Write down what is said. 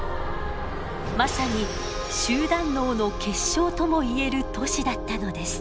まさに集団脳の結晶とも言える都市だったのです。